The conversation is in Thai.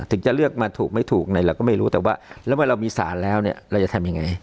ถึงจะเลือกมาถูกไม่ถูกในเราก็ไม่รู้แต่ว่าแล้วเมื่อเรามีสารแล้วเนี่ยเราจะทำยังไง